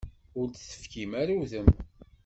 Ur d-tefkim ara udem.